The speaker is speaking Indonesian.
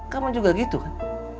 kamu juga gitu kan